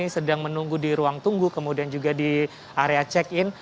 sedang menunggu di ruang tunggu kemudian juga di area check in